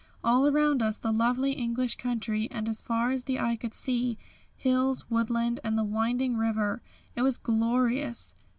All around us the lovely English country, and as far as the eye could see, hills, woodland, and the winding river. It was glorious.